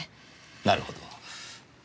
なるほど。